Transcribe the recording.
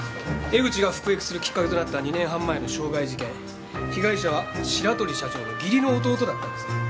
江口が服役するきっかけとなった２年半前の傷害事件被害者は白鳥社長の義理の弟だったんです。